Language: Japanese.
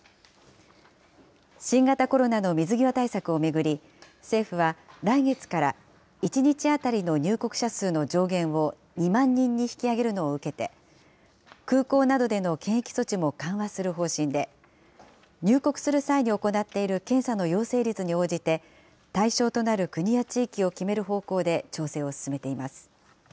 新型コロナの水際対策を巡り、政府は来月から、１日当たりの入国者数の上限を２万人に引き上げるのを受けて、空港などでの検疫措置も緩和する方針で、入国する際に行っている検査の陽性率に応じて、対象となる国や地域を決める方向で調整を進めています。